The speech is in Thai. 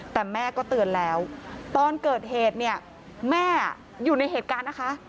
แต่แม่ก็เตือนแล้วตอนเกิดเหตุเนี่ยแม่อยู่ในเหตุการณ์นะคะ